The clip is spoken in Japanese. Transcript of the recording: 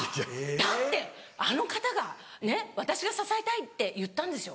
だってあの方が「私が支えたい」って言ったんですよ。